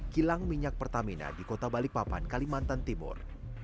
kilang minyak pertamina di kota balikpapan kalimantan timur